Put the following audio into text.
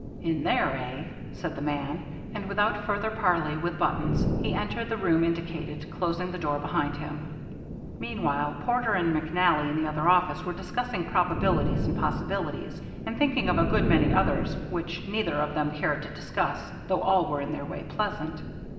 "In there, eh?" said the man, and without further parley with Buttons, he entered the room indicated, closing the door behind him. Meanwhile Porter and McNally in the other office were discussing probabilities and possibilities and thinking of a good many others which neither of them cared to discuss, though all were in their way pleasant.